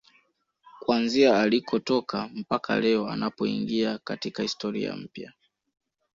Kuanzia alikotoka mpaka leo anapoingia katika historia mpya